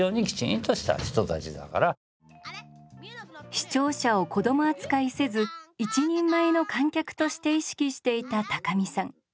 視聴者を子供扱いせず一人前の観客として意識していた高見さん。